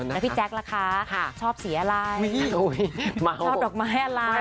แล้วพี่แจ๊คล่ะคะชอบสีอะไรชอบดอกไม้อะไร